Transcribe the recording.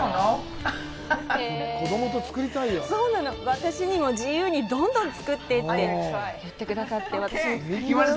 私にも、自由にどんどん作ってって言ってくださって。